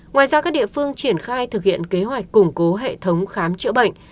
ngoài ra các địa phương triển khai thực hiện kế hoạch củng cố hệ thống khám chữa bệnh